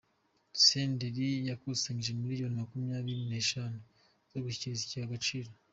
Senderi yakusanyije miliyoni Makumyabiri neshanu zo gushyigikira ikigega Agaciro